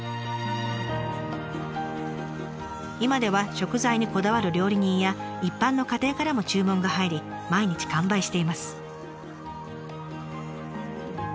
今では食材にこだわる料理人や一般の家庭からも注文が入り毎日完売しています。